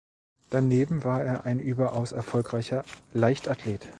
Daneben war er ein überaus erfolgreicher Leichtathlet.